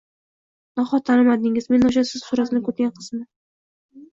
-Nahot tanimadingiz, men o’sha siz suratini ko’rsatgan qizman.